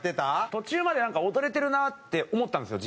途中までなんか踊れてるなって思ったんですよ